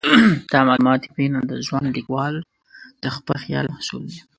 دا معلومات یقیناً د ځوان لیکوال د خپل خیال محصول دي.